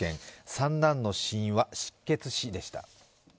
三男の死因は失血死でした。